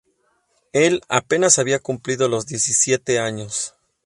Él apenas había cumplido los diecisiete años.